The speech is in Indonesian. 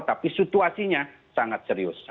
tapi situasinya sangat serius